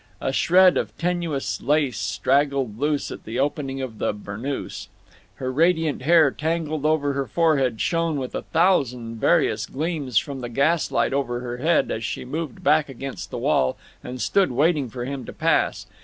A shred of tenuous lace straggled loose at the opening of the burnoose. Her radiant hair, tangled over her forehead, shone with a thousand various gleams from the gas light over her head as she moved back against the wall and stood waiting for him to pass.